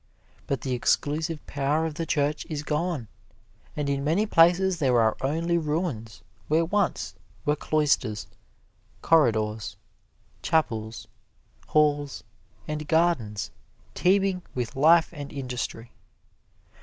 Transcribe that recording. But the exclusive power of the Church is gone, and in many places there are only ruins where once were cloisters, corridors, chapels, halls and gardens teeming with life and industry.